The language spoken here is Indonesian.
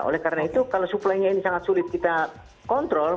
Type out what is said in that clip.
oleh karena itu kalau suplainya ini sangat sulit kita kontrol